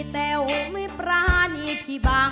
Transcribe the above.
แต้วไม่ปรานีที่บาง